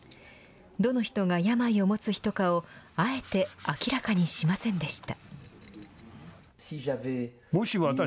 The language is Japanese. どの人が病を持つ人かをあえて明らかにしませんでした。